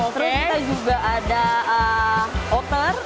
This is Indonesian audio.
terus kita juga ada otter